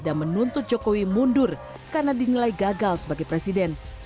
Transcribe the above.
dan menuntut jokowi mundur karena dinilai gagal sebagai presiden